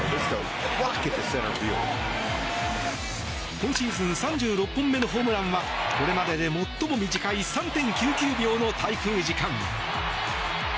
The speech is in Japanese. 今シーズン３６本目のホームランはこれまでで最も短い３．９９秒の滞空時間。